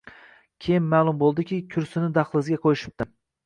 Keyin ma`lum bo`ldiki, kursini dahlizga qo`yishibdi